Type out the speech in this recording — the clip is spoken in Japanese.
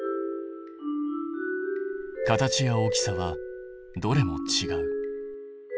形や大きさはどれもちがう。